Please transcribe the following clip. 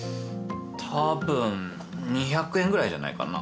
たぶん２００円ぐらいじゃないかな。